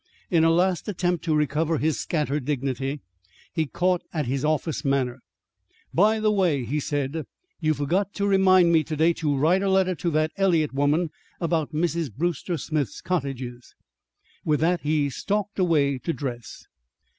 In a last attempt to recover his scattered dignity, he caught at his office manner. "By the way," he said, "you forgot to remind me today to write a letter to that Eliot woman about Mrs. Brewster Smith's cottages." With that he stalked away to dress.